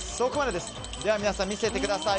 では皆さん、見せてください。